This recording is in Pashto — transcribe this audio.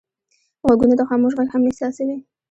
غوږونه د خاموش غږ هم احساسوي